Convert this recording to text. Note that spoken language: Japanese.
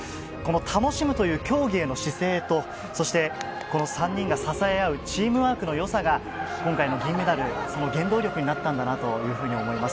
楽しむという競技への姿勢とそしてこの３人が支え合うチームワークの良さが今回の銀メダル、その原動力になったんだなと思います。